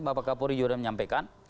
apakah polri juga menyampaikan